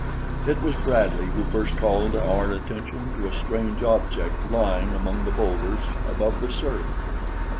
It was Bradley who first called our attention to a strange object lying among the boulders above the surf.